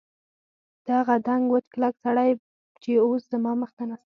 دغه دنګ وچ کلک سړی چې اوس زما مخ ته ناست دی.